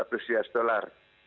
jadi potensi lulus kita cukup tinggi